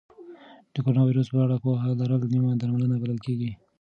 د کرونا ویروس په اړه پوهه لرل نیمه درملنه بلل کېږي.